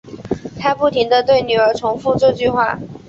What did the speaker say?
她不停对女儿重复这句话